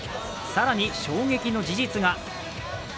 更に、衝撃の事実が。